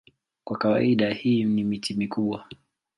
Kwa kawaida hii ni miti mikubwa.